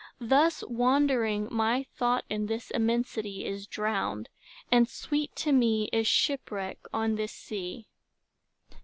Thus wandering My thought in this immensity is drowned; And sweet to me is shipwreck on this sea.